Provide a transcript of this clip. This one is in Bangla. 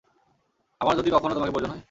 আমার যদি কখনো তোমাকে প্রয়োজন হয়?